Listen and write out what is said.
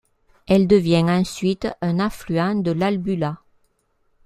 Elle devient ensuite un affluent de l'Albula.